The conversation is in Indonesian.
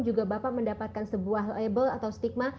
juga bapak mendapatkan sebuah label atau stigma